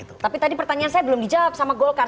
tapi tadi pertanyaan saya belum dijawab sama golkar